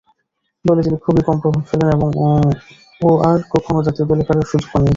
দলে তিনি খুবই কম প্রভাব ফেলেন ও আর কখনো জাতীয় দলে খেলার সুযোগ পাননি।